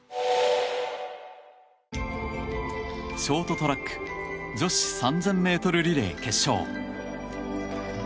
ショートトラック女子３０００ｍリレー決勝。